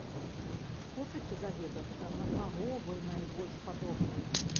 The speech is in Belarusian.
Хочаце даведацца, на каго вы найбольш падобныя?